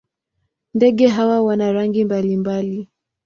Ndege hawa wana rangi mbalimbali.